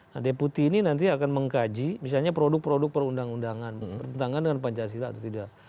nah deputi ini nanti akan mengkaji misalnya produk produk perundang undangan bertentangan dengan pancasila atau tidak